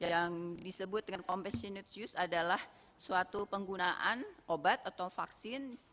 yang disebut dengan competinutrisius adalah suatu penggunaan obat atau vaksin